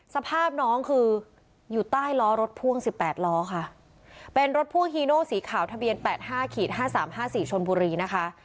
สภาพน้องคืออยู่ใต้ล้อรถพ่วง๑๘ล้อค่ะเป็นรถพ่วงฮีโนสีขาวทะเบียน๘๕๕๓๕๔ชนบุรีนะคะ